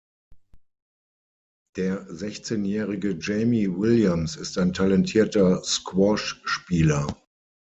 Der sechzehnjährige "Jamie Williams" ist ein talentierter Squash-Spieler.